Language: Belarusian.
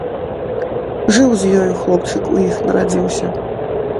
Жыў з ёю, хлопчык у іх нарадзіўся.